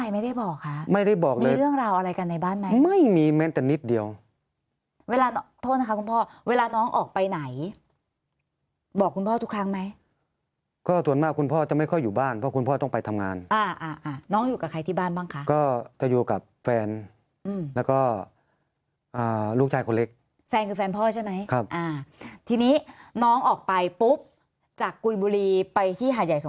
ไม่ได้บอกค่ะไม่ได้บอกเลยมีเรื่องราวอะไรกันในบ้านไหมไม่มีแม้แต่นิดเดียวเวลาโทษนะคะคุณพ่อเวลาน้องออกไปไหนบอกคุณพ่อทุกครั้งไหมก็ส่วนมากคุณพ่อจะไม่ค่อยอยู่บ้านเพราะคุณพ่อต้องไปทำงานอ่าอ่าน้องอยู่กับใครที่บ้านบ้างคะก็จะอยู่กับแฟนแล้วก็อ่าลูกชายคนเล็กแฟนคือแฟนพ่อใช่ไหมครับอ่าทีนี้น้องออกไปปุ๊บจากกุยบุรีไปที่หาดใหญ่สง